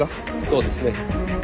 そうですね。